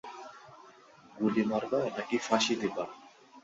গুলি মারবা নাকি ফাসি দিবা?